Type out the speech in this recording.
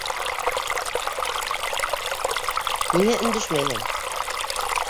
Нимә өндәшмәйһең?